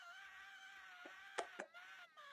胼足蝠属等之数种哺乳动物。